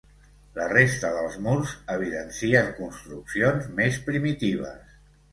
La resta dels murs evidencien construccions més primitives.